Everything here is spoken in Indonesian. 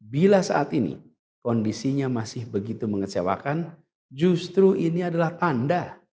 bila saat ini kondisinya masih begitu mengecewakan justru ini adalah tanda